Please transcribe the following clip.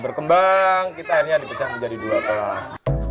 berkembang kita hanya dipecahkan jadi dua kelas